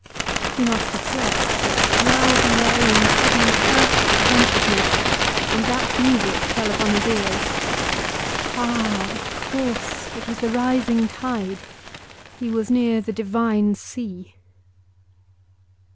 He must have slept, but now he lay in sudden perfect consciousness, and that music fell upon his ears. Ah! of course it was the rising tide; he was near the divine sea.